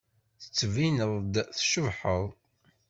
Tettbineḍ-d tcebḥeḍ.